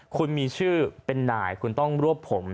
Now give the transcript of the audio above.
คุณมีชื่อเป็นนายคุณต้องรวบผม